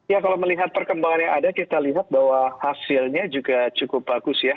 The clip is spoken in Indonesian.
ya kalau melihat perkembangan yang ada kita lihat bahwa hasilnya juga cukup bagus ya